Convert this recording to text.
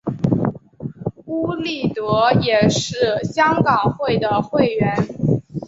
邬励德也是香港会的会员。